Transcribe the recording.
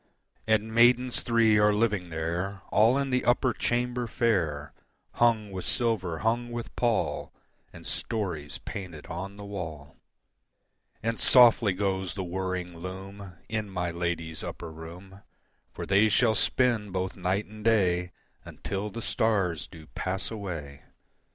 And maidens three are living there All in the upper chamber fair, Hung with silver, hung with pall, And stories painted on the wall. And softly goes the whirring loom In my ladies' upper room, For they shall spin both night and day Until the stars do pass away.